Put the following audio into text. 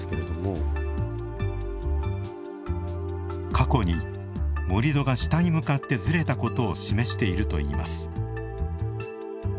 過去に盛土が下に向かって、ずれたことを示しているといいます。